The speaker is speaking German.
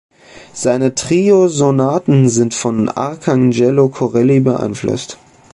Seine Triosonaten sind von Arcangelo Corelli beeinflusst.